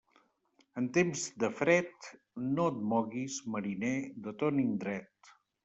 En temps de fred, no et moguis, mariner, de ton indret.